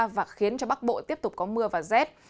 và khiến cho bắc bộ tiếp tục có mưa và rét